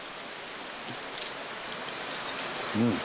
うん。